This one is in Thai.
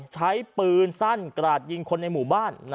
ใช้ปืนสั้นกราดยิงคนในหมู่บ้าน